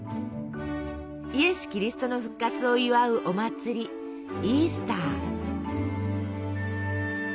イエス・キリストの復活を祝うお祭りイースター。